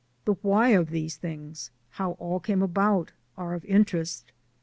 The why of these things, how all came about, are of interest.